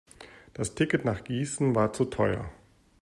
Das Ticket nach Gießen war zu teuer